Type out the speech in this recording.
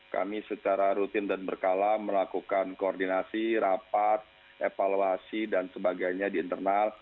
kami secara rutin dan berkala melakukan koordinasi rapat evaluasi dan sebagainya di internal